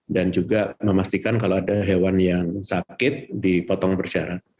dan juga memastikan kalau ada hewan yang sakit dipotong bersyarat